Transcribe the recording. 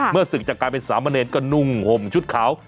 เมื่อศึกจักรการเป็นสามเมนก็หนุ่งห่มชุดขาว